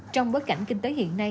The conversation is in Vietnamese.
trong bối cảnh kinh tế hiện nay